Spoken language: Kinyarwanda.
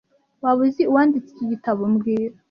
Waba uzi uwanditse iki gitabo mbwira